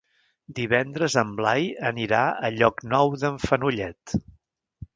Divendres en Blai anirà a Llocnou d'en Fenollet.